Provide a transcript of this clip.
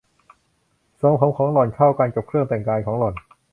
ทรงผมของหล่อนเข้ากันกับเครื่องแต่งกายของหล่อน